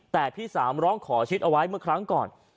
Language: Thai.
แต่พี่สามร้องขอชิดเอาไว้เมื่อครั้งก่อน